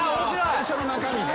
最初の中身ね。